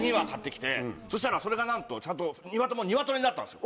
そしたらそれがなんとちゃんと。になったんですよ